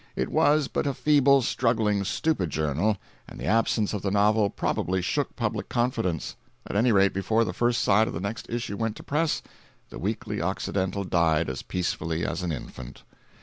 It was but a feeble, struggling, stupid journal, and the absence of the novel probably shook public confidence; at any rate, before the first side of the next issue went to press, the Weekly Occidental died as peacefully as an infant.